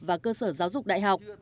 và cơ sở giáo dục đại học